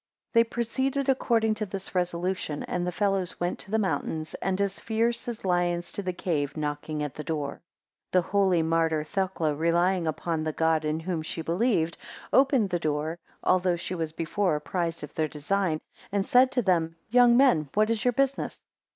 4 They proceeded according to this resolution, and the fellows went to the mountain, and as fierce as lions to the cave, knocking at the door. 5 The holy martyr Thecla relying upon the God in whom she believed, opened the door, although she was before apprised of their design, and said to them, Young men, what is your business?